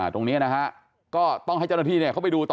ตรงนี้นะฮะก็ต้องให้เจ้าหน้าที่เขาไปดูต่อ